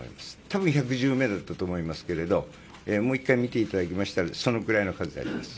多分１１０名だったと思いますがもう１回見ていただけたらそのぐらいの数であります。